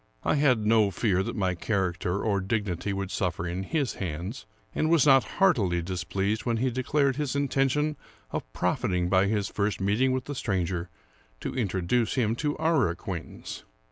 I had no fear that my character or dignity would suffer in his hands, and was not heartily displeased when he declared his intention of profiting by his first meet ing with the stranger to introduce him to our acquaintance.